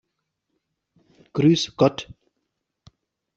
Grüß Gott!